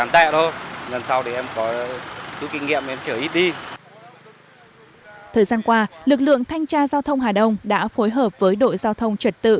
thời gian qua lực lượng thanh tra giao thông hà đông đã phối hợp với đội giao thông trật tự